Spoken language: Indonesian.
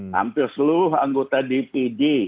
hampir seluruh anggota dpd